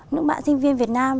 những bạn sinh viên việt nam